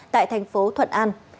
tại thành phố thuận an